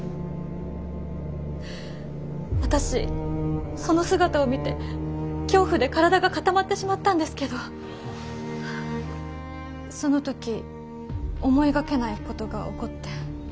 私その姿を見て恐怖で体が固まってしまったんですけどその時思いがけないことが起こって。